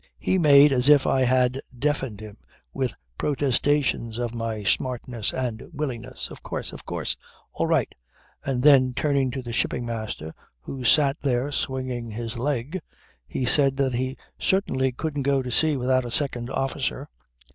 He made as if I had deafened him with protestations of my smartness and willingness. "Of course, of course. All right." And then turning to the Shipping Master who sat there swinging his leg, he said that he certainly couldn't go to sea without a second officer.